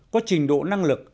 có trình độ năng lực